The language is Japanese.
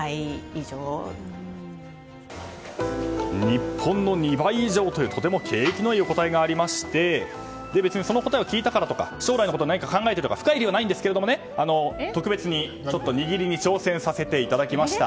日本の２倍以上というとても景気のいいお答えがありまして別にその答えを聞いたからとか将来のことを考えてとか深い理由はありませんが特別に握りに挑戦させていただきました。